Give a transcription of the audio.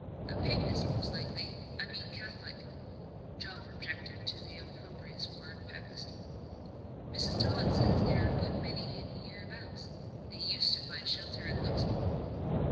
"A Papist, most likely I mean a Catholic." (John objected to the opprobrious word "Papist.") "Mrs. Tod says there are a good many hidden hereabouts. They used to find shelter at Luxmore."